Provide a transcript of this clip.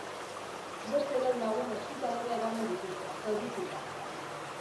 Beste lau lagun ospitalera eraman dituzte, zaurituta.